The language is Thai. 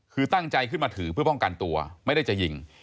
คือตั้งใจขึ้นมาถือเพื่อป้องกันตัวไม่ได้จะยิง